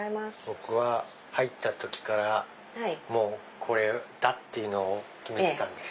僕は入った時からもうこれだ！っていうのを決めてたんです。